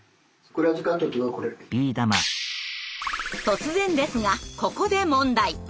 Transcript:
突然ですがここで問題。